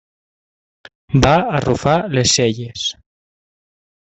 Va arrufar les celles.